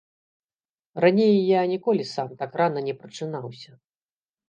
Раней я ніколі сам так рана не прачынаўся.